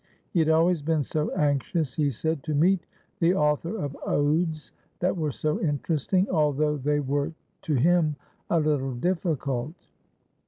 He had always been so anxious, he said, to meet the author of odes that were so interesting, although they were to him a little difficult.